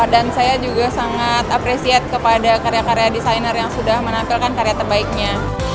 dan saya juga sangat apresiat kepada karya karya designer yang sudah menampilkan karya terbaiknya